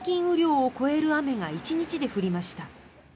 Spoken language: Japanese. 雨量を超える雨が１日で降りました。